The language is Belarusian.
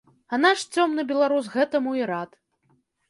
А наш цёмны беларус гэтаму і рад.